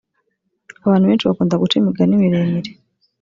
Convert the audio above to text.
Abantu benshi bakunda guca imigani miremire